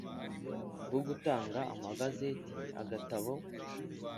bwo gutanga amagazeti Agatabo